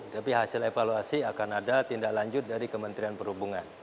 tapi hasil evaluasi akan ada tindak lanjut dari kementerian perhubungan